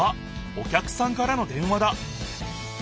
お客さんからの電話だ。